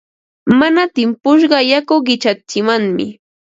Mana timpushqa yaku qichatsimanmi.